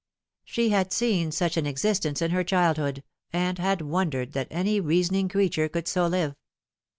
She had seen such an existence in her childhood, and had wondered that any reasoning creature could so live.